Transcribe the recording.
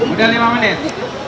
udah lima menit